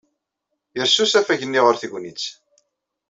Yers usafag-nni ɣef tegnit.